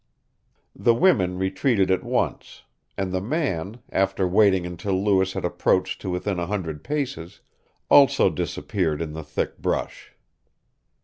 The women retreated at once; and the man, after waiting until Lewis had approached to within a hundred paces, also disappeared in the thick brush.